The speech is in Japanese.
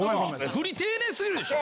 フリ丁寧過ぎるでしょ！